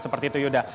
seperti itu yuda